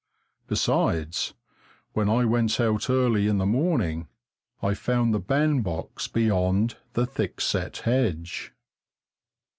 Besides, when I went out early in the morning, I found the bandbox beyond the thickset hedge.